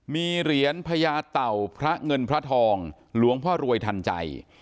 มีเหรียญพญาเต่าพระเงินพระทองหลวงพ่อรวยทันใจ